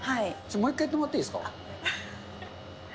もう一回やってもらっていいですか。